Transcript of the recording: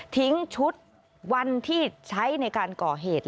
ชุดวันที่ใช้ในการก่อเหตุ